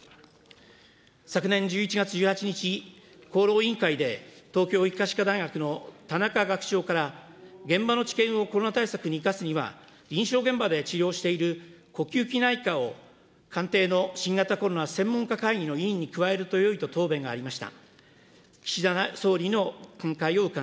昨年度１１月１８日、厚労委員会で、東京医科歯科大学の田中学長から、現場の知見をコロナ対策に生かすには、臨床現場で治療している呼吸器内科を官邸の新型コロナ専門家会議の委員に加えるとよいと答弁がありました。